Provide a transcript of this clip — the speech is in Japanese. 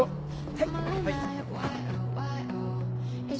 はい。